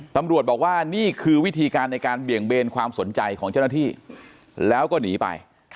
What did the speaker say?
ตำรวจบอกว่านี่คือวิธีการในการเบี่ยงเบนความสนใจของเจ้าหน้าที่แล้วก็หนีไป